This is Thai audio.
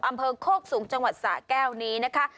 อำเภอโคกสูงจังหวัดสะแก้วนี้นะคะ